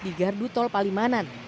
di gardu tol palimanan